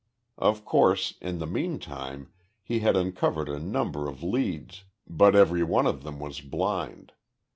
Of course, in the meantime he had uncovered a number of leads but every one of them was blind.